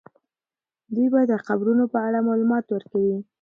دوی به د قبرونو په اړه معلومات ورکوي.